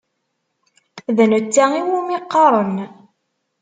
D netta iwumi qqaren.